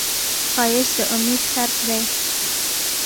ښایست د امید څرک دی